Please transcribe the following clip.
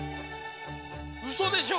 うそでしょ！？